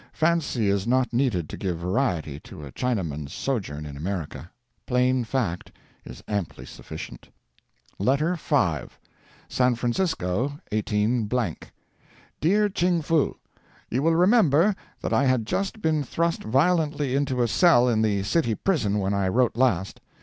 Fancy is not needed to give variety to a Chinaman's sojourn in America. Plain fact is amply sufficient.] LETTER V. SAN FRANCISCO, 18—, DEAR CHING FOO: You will remember that I had just been thrust violently into a cell in the city prison when I wrote last.